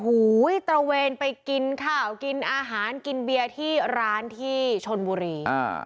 โอ้โหตระเวนไปกินข้าวกินอาหารกินเบียร์ที่ร้านที่ชนบุรีอ่า